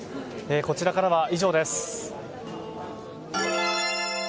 こちらからは以上です。